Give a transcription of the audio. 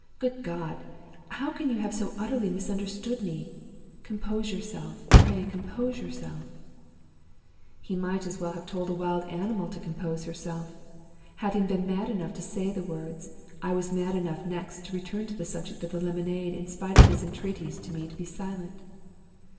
Good God! how can you have so utterly misunderstood me? Compose yourself pray, compose yourself.' "He might as well have told a wild animal to compose herself. Having been mad enough to say the words, I was mad enough next to return to the subject of the lemonade, in spite of his entreaties to me to be silent.